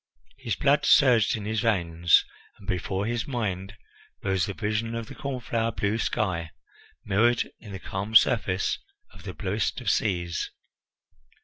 His blood surged in his veins, and before his mind rose the vision of the corn flower blue sky, mirrored in the calm surface of the bluest of seas.